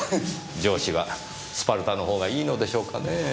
上司はスパルタのほうがいいのでしょうかねぇ。